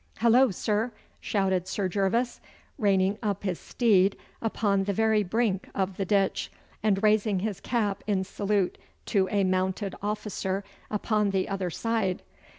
'Hullo, sir!' shouted Sir Gervas, reining up his steed upon the very brink of the ditch, and raising his cap in salute to a mounted officer upon the other side.